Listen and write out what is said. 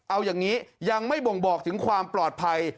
เอาอย่างนี้ยังไม่บ่งบอกถึงความปลอดภัย